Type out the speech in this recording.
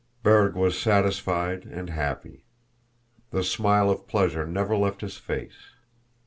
Berg was satisfied and happy. The smile of pleasure never left his face.